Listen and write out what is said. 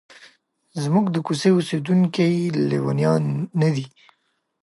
زموږ د کوڅې اوسیدونکي لیونیان نه دي.